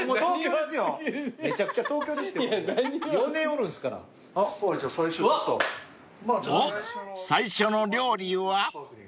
［おっ最初の料理は？］